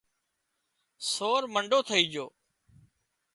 سور منڍو ٿئي جھو